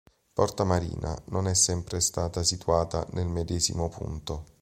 Porta Marina non è sempre stata situata nel medesimo punto.